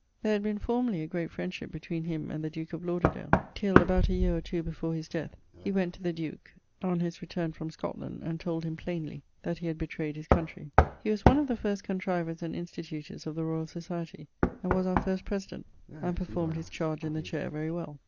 There had been formerly a great friendship between him and the duke of Lauderdale, till, about a yeare or two before his death, he went to the duke on his returne from Scotland and told him plainly that he had betrayed his countrey. He was one of the first contrivers and institutors of the Royall Societie and was our first president, and performed his charge in the chaire very well.